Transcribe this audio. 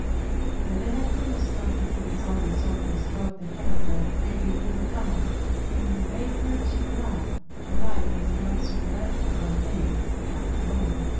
When they had finished talking King Solomon softly stroked the head of the pretty little Dove and bade her cheer up, for life was not so dreadful a thing, after all.